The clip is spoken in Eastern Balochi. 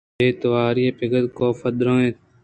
دمانے ءِ بے تواری ءَ پد کاف ءَ درّائینت